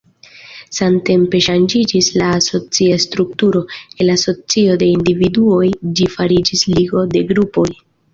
Samtempe ŝanĝiĝis la asocia strukturo: el asocio de individuoj ĝi fariĝis ligo de grupoj.